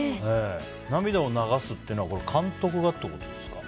涙を流すっていうのは監督がってことですか？